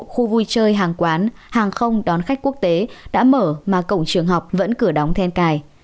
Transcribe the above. khu vui chơi hàng quán hàng không đón khách quốc tế đã mở mà cổng trường học vẫn cửa đóng then cài